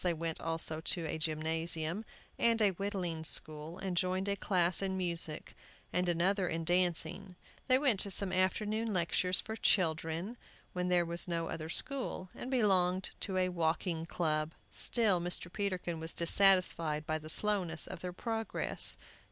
They went also to a gymnasium, and a whittling school, and joined a class in music, and another in dancing; they went to some afternoon lectures for children, when there was no other school, and belonged to a walking club. Still Mr. Peterkin was dissatisfied by the slowness of their progress.